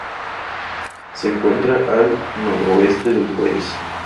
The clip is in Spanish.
Se encuentra al noroeste del país.